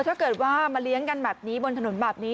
ถ้าเกิดว่ามาเลี้ยงกันแบบนี้บนถนนแบบนี้